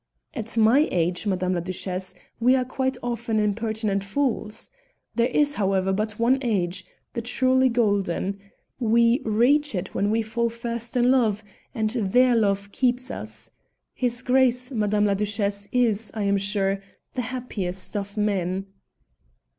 "At my age, Madame la Duchesse, we are quite often impertinent fools. There is, however, but one age the truly golden. We reach it when we fall first in love, and there love keeps us. His Grace, Madame la Duchesse, is, I am sure, the happiest of men."